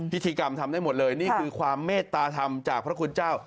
พิธีกรรมทำได้หมดเลยนี่คือความเมตตาธรรมจากพระคุณเจ้า